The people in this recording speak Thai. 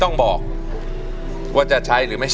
ฟังแทนเนี่ย